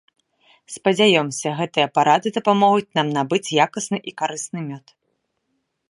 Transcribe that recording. Спадзяёмся, гэтыя парады дапамогуць вам набыць якасны і карысны мёд.